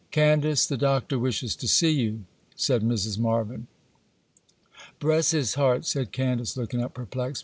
'Candace, the Doctor wishes to see you,' said Mrs. Marvyn. 'Bress his heart!' said Candace, looking up, perplexed.